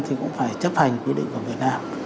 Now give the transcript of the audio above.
thì cũng phải chấp hành quy định của việt nam